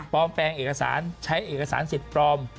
แปลงเอกสารใช้เอกสารสิทธิ์ปลอม